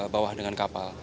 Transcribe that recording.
bawah dengan kapal